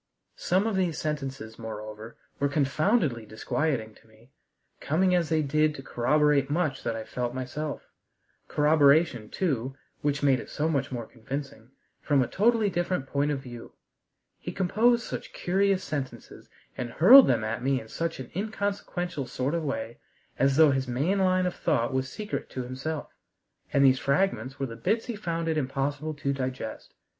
Some of these sentences, moreover, were confoundedly disquieting to me, coming as they did to corroborate much that I felt myself: corroboration, too which made it so much more convincing from a totally different point of view. He composed such curious sentences, and hurled them at me in such an inconsequential sort of way, as though his main line of thought was secret to himself, and these fragments were the bits he found it impossible to digest.